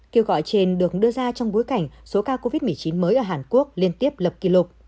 kêu gọi trên được đưa ra trong bối cảnh số ca covid một mươi chín mới ở hàn quốc liên tiếp lập kỷ lục